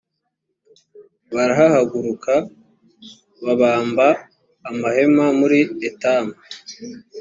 barahahaguruka babamba amahema muri etamu